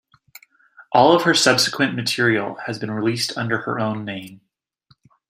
All of her subsequent material has been released under her own name.